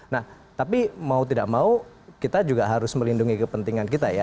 nah tapi mau tidak mau kita juga harus melindungi kepentingan kita ya